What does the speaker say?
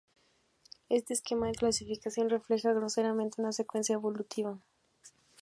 Este esquema de clasificación refleja groseramente una secuencia evolutiva.